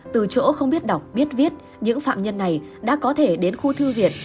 từ chỗ không biết đọc biết viết những phạm nhân này đã có thể đến khu thư viện